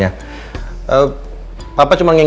kebetulan gak ada